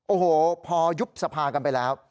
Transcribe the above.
โอ้โหพอยุบสภากันไปแล้ว